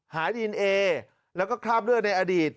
ดีเอนเอแล้วก็คราบเลือดในอดีต